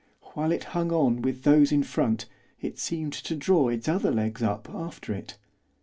While it hung on with those in front it seemed to draw its other legs up after it.